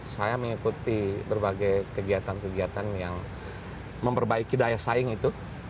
saya mengikuti berbagai kegiatan kegiatan yang memperbaiki daya saing itu